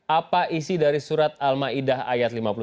apa isi dari surat al ma'idah ayat lima puluh satu